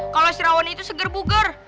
kalau si rawoni itu seger buger